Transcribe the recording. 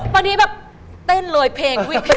พอดีแบบเต้นเลยเพลงวิ่ง